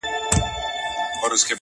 زحمت د بریا خام مواد دي’